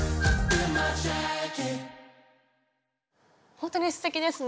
ほんとにすてきですね。